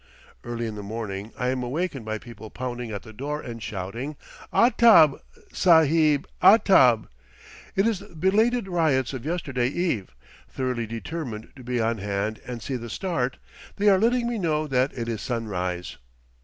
Early in the morning I am awakened by people pounding at the door and shouting, "A/tab, Sahib a/tab.'" It is the belated ryots of yesterday eve; thoroughly determined to be on hand and see the start, they are letting me know that it is sunrise.